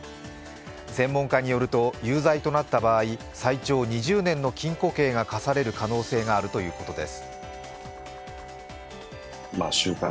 専門家によると、有罪となった場合最長２０年の禁錮刑が科される可能性があるということです。